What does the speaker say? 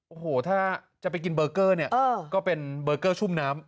โอ้โหถ้าจะไปกินเบอร์เกอร์เนี่ยก็เป็นเบอร์เกอร์ชุ่มน้ำ